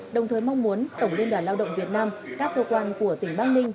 đồng thời mong muốn tổng liên đoàn lao động việt nam các cơ quan của tỉnh bắc ninh